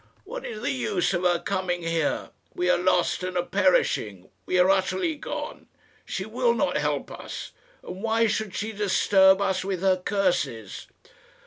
"What is the use of her coming here? We are lost and are perishing. We are utterly gone. She will not help us, and why should she disturb us with her curses?"